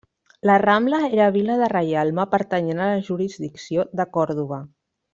La Rambla era vila de reialme pertanyent a la jurisdicció de Còrdova.